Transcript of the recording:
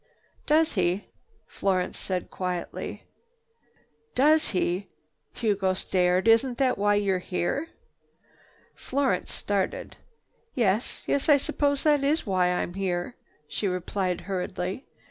"Does he?" Florence said quietly. "Does he?" Hugo stared. "Isn't that why you're here?" Florence started. "Yes, yes, I suppose that is why I'm here," she replied hurriedly.